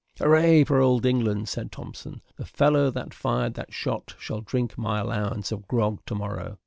"Hurra for old England," said Thompson; "the fellow that fired that shot shall drink my allowance of grog to morrow."